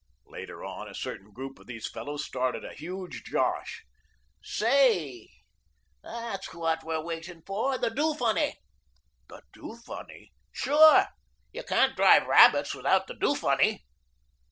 Later on, a certain group of these fellows started a huge "josh." "Say, that's what we're waiting for, the 'do funny.'" "The do funny?" "Sure, you can't drive rabbits without the 'do funny.'"